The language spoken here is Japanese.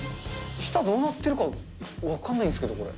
下どうなってるか、分かんないんですけど、これ。